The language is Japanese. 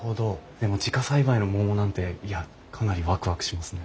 でも自家栽培の桃なんていやかなりわくわくしますね。